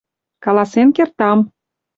— Каласен кертам.